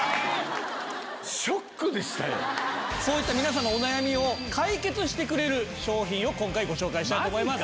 そういった皆さんのお悩みを解決してくれる商品を今回ご紹介したいと思います。